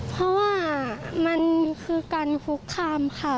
เพราะว่ามันคือการคุกคามค่ะ